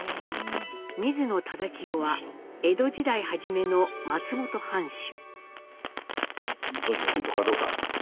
水野忠清は江戸時代初めの松本藩主。